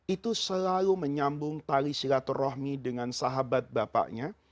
itu selalu menyambung tali silaturahmi dengan sahabat bapaknya